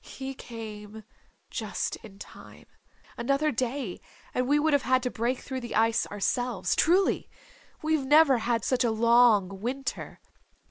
"He came just in time. Another day and we would have had to break through the ice ourselves. Truly. We've never had such a long winter.